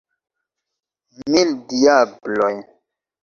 Mil diabloj!